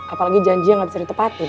apalagi janji yang gak bisa ditepati